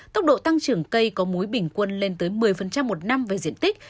tốc độ tăng trưởng cây có múi bình quân lên tới một mươi một năm về diện tích